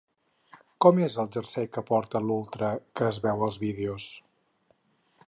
Com és el jersei que porta l'ultra que es veu als vídeos?